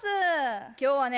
今日はね